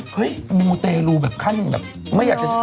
เห้ยมูตรเลรูแบบขั้ม